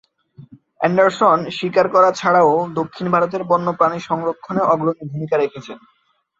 Anderson শিকার করা ছাড়াও দক্ষিণ ভারতের বন্যপ্রাণী সংরক্ষণে অগ্রণী ভূমিকা রেখেছেন।